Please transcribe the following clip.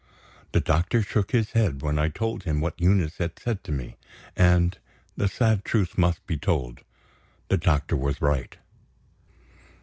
The doctor shook his head when I told him what Eunice had said to me and, the sad truth must be told, the doctor was right.